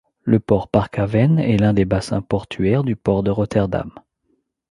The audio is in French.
Le port Parkhaven est l'un des bassins portuaires du Port de Rotterdam.